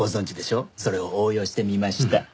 それを応用してみました。